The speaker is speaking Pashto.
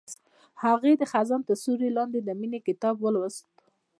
هغې د خزان تر سیوري لاندې د مینې کتاب ولوست.